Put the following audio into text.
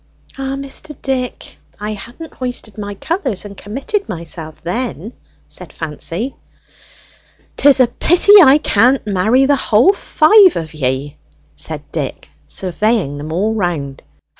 "Ah, Mr. Dick, I hadn't hoisted my colours and committed myself then!" said Fancy. "'Tis a pity I can't marry the whole five of ye!" said Dick, surveying them all round.